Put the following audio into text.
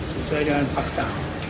sesuai dengan fakta